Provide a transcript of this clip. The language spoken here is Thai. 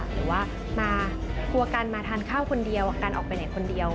หรือว่ามาครัวกันมาทานข้าวคนเดียวกันออกไปไหนคนเดียว